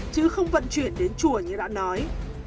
chứ không vận chuyển đến chùa như đã nói